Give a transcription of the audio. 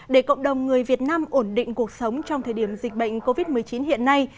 để cộng đồng người việt nam ổn định cuộc sống trong thời điểm dịch bệnh covid một mươi chín hiện nay